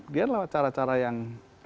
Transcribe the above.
dia adalah cara cara yang